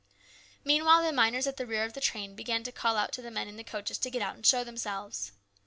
Meanwhile the miners at the rear of the train began to call out to the men in the coaches to get out and show themselves.